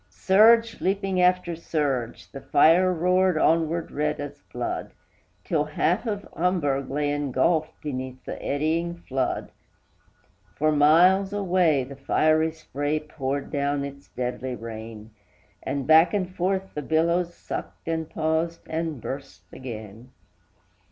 Surge leaping after surge, the fire roared onward red as blood, Till half of Hamburg lay engulfed beneath the eddying flood; For miles away, the fiery spray poured down its deadly rain, And back and forth the billows sucked, and paused, and burst again.